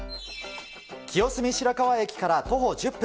清澄白河駅から徒歩１０分。